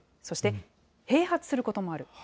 そして併発することもある。